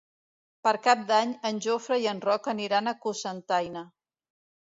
Per Cap d'Any en Jofre i en Roc aniran a Cocentaina.